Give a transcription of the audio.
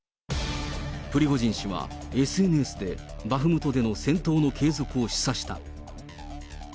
プリゴジン氏はＳＮＳでバフムトでの戦闘の継続を示唆した。